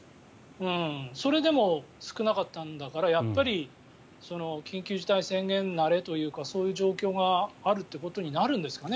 それでも少なかったんだからやっぱり緊急事態宣言慣れというかそういう状況があるってことになるんですかね